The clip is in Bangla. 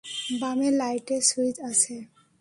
বামে লাইটের সুইচ আছে।